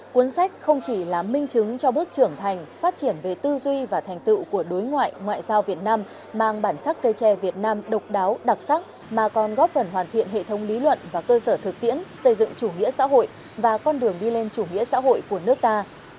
cuốn sách không chỉ là minh chứng cho bước trưởng thành phát triển về tư duy và thành tựu của đối ngoại ngoại giao việt nam mang bản sắc cây tre việt nam độc đáo đặc sắc mà còn góp phần hoàn thiện hệ thống lý luận và cơ sở thực tiễn xây dựng chủ nghĩa xã hội và con đường đi lên chủ nghĩa xã hội của nước ta